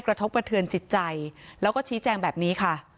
กระทบกระเทือนจิตใจแล้วก็ชี้แจงแบบนี้ค่ะ